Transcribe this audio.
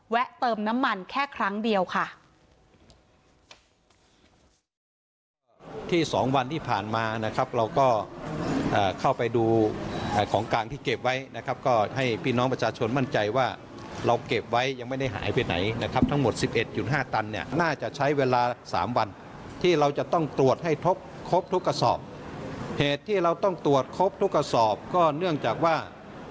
เติมน้ำมันแค่ครั้งเดียวค่ะ